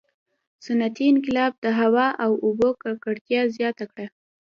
• صنعتي انقلاب د هوا او اوبو ککړتیا زیاته کړه.